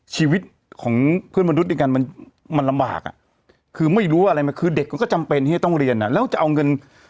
ชีวิตของเพื่อนมนุษย์ด้วยกันมันลำบากอ่ะคือไม่รู้อะไรมาคือเด็กมันก็จำเป็นที่จะต้องเรียนแล้วจะเอาเงิน